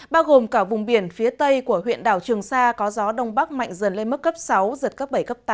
bao gồm cả vùng biển phía tây của huyện đảo trường sa có gió đông bắc mạnh dần lên mức cấp sáu giật cấp bảy cấp tám